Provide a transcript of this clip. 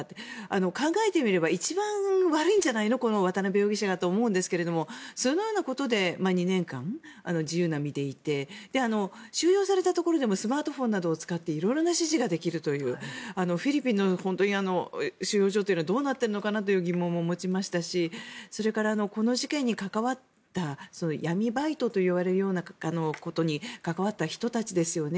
考えてみれば一番悪いんじゃないのこの渡邉容疑者がと思うんですけれどもそのようなことで２年間自由な身でいて収容されたところでもスマートフォンなどを使って色んな指示ができるというフィリピンの収容所というのはどうなっているのかなという疑問を持ちましたしそれから、この事件に関わった闇バイトといわれるようなことに関わった人たちですよね。